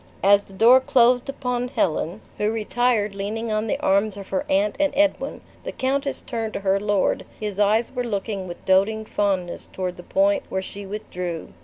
As the door closed upon Helen, who retired leaning on the arms of her aunt and Edwin, the countess turned to her lord; his eyes were looking with doting fondness toward the point where she withdrew.